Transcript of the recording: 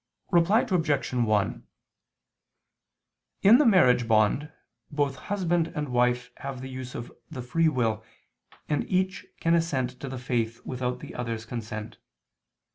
Reply Obj. 1: In the marriage bond, both husband and wife have the use of the free will, and each can assent to the faith without the other's consent.